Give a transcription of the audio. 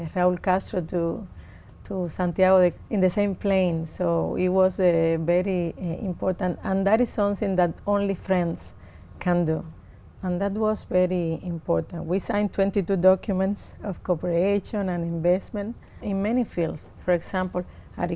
vậy các bác sĩ có một kế hoạch để chúc mừng lần bốn mươi năm tuổi của chúng tôi đến quan chi không